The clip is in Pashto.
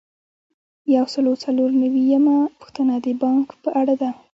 یو سل او څلور نوي یمه پوښتنه د بانک په اړه ده.